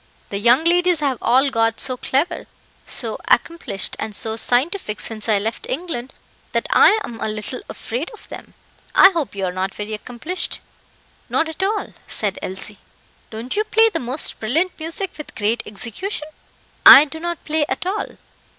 The young ladies have all got so clever, so accomplished, and so scientific since I left England, that I am a little afraid of them. I hope you are not very accomplished." "Not at all," said Elsie. "Don't you play the most brilliant music with great execution?" "I do not play at all."